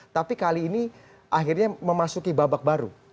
tapi kali ini akhirnya memasuki babak baru